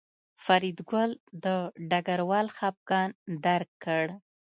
فریدګل د ډګروال خپګان درک کړ